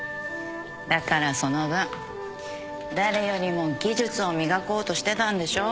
だからその分誰よりも技術を磨こうとしてたんでしょ？